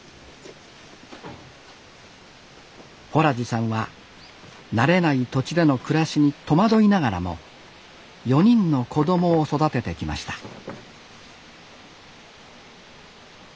洞地さんは慣れない土地での暮らしに戸惑いながらも４人の子どもを育ててきました